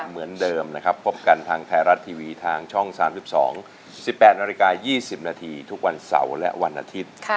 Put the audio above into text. เหมือนเดิมนะครับพบกันทางไทยรัฐทีวีทางช่อง๓๒๑๘นาฬิกา๒๐นาทีทุกวันเสาร์และวันอาทิตย์